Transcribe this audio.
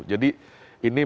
jadi ini maksudnya